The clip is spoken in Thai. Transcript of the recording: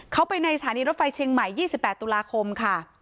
เขาไปในสถานีรถไฟเชียงใหม่๒๘ตุลาคมค่ะ